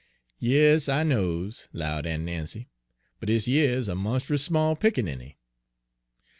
" 'Yas, I knows,' 'lowed Aun' Nancy, 'but dis yere is a monst'us small pickaninny.'